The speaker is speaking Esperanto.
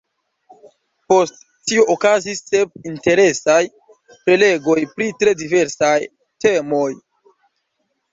Post tio okazis sep interesaj prelegoj pri tre diversaj temoj.